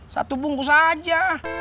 satu bungkus aja